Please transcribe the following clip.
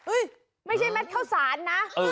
เอ้ยไม่ใช่แม็ดข้าวสานนะ